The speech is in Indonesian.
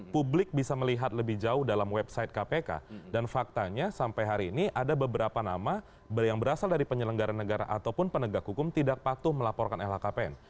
publik bisa melihat lebih jauh dalam website kpk dan faktanya sampai hari ini ada beberapa nama yang berasal dari penyelenggara negara ataupun penegak hukum tidak patuh melaporkan lhkpn